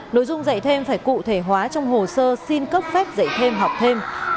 nội dung dạy thêm phải cụ thể hóa trong hồ sơ xin cấp phép dạy thêm học thêm